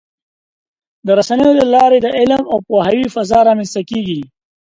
د رسنیو له لارې د علم او پوهاوي فضا رامنځته کېږي.